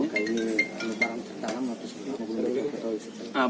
apakah ini lebaran tertalam atau sebagainya